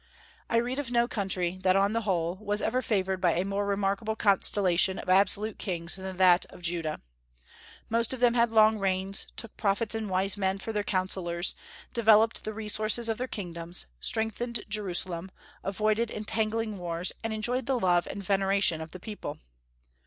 I read of no country that, on the whole, was ever favored by a more remarkable constellation of absolute kings than that of Judah. Most of them had long reigns, took prophets and wise men for their counsellors, developed the resources of their kingdoms, strengthened Jerusalem, avoided entangling wars, and enjoyed the love and veneration of the people.